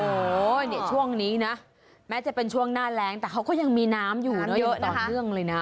โอ้โหเนี่ยช่วงนี้นะแม้จะเป็นช่วงหน้าแรงแต่เขาก็ยังมีน้ำอยู่เยอะต่อเนื่องเลยนะ